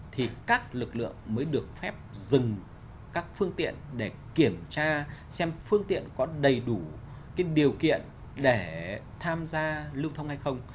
thì các lực lượng mới được phép dừng các phương tiện để kiểm tra xem phương tiện có đầy đủ cái điều kiện để tham gia lưu thông hay không